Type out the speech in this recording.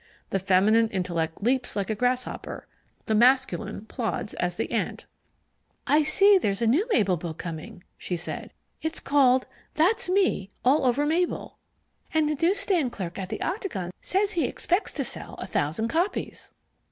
The feminine intellect leaps like a grasshopper; the masculine plods as the ant. "I see there's a new Mable book coming," she said. "It's called That's Me All Over Mable, and the newsstand clerk at the Octagon says he expects to sell a thousand copies."